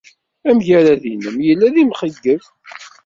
Amagrad-nnem yella-d d imxeyyeb.